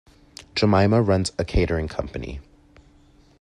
Jemima runs a catering company.